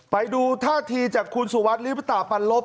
ไปดูท่าทีจากคุณสุวัสดิริปตาปันลบ